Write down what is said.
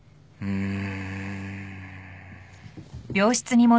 うん。